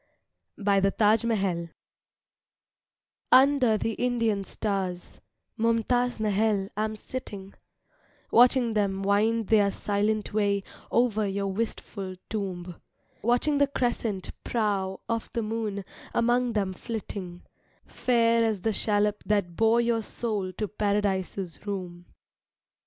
BY THE TAJ MAHAL Under the Indian stars, Mumtaz Mahal, I am sitting, Watching them wind their silent way Over your wistful Tomb; Watching the crescent prow Of the moon among them flitting, Fair as the shallop that bore your soul To Paradise's Room.